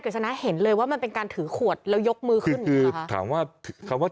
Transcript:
ชนะเห็นเลยว่ามันเป็นการถือขวดแล้วยกมือขึ้นนะคะถามว่าคำว่า